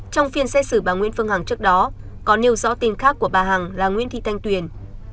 trong phiên xét xử bà nguyễn phương hằng trước đó có nêu rõ tên khác của bà hằng là nguyễn thị thanh tuyền